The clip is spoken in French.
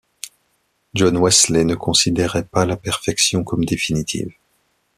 John Wesley ne considérait pas la perfection comme définitive.